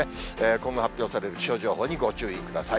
今後発表される気象情報にご注意ください。